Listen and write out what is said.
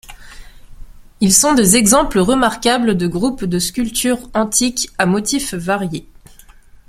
Ils sont des exemples remarquables de groupe de sculptures antiques à motifs variés.